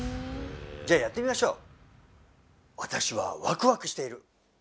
じゃやってみましょう。